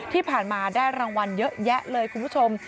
ที่ผ่านมาได้รางวัลเยอะแยะเลยคุณผู้ชม